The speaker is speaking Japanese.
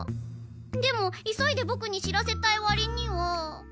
でも急いでボクに知らせたいわりには。